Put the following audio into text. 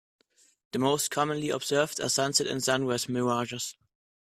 The most commonly observed are sunset and sunrise mirages.